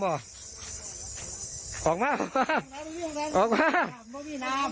บอมมี่นาม